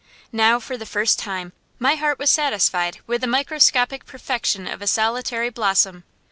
Now, for the first time, my heart was satisfied with the microscopic perfection of a solitary blossom.